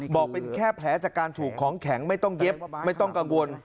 บอกเป็นแค่แผลจากการถูกของแข็งไม่ต้องเย็บไม่ต้องกังวล